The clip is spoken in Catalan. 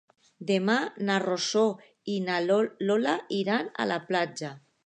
Demà na Rosó i na Lola iran a la platja.